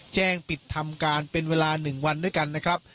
แจ้งปิดทำการเป็นเวลา๑วันด้วยกันนะครับ